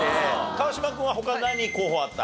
川島君は他に何候補あった？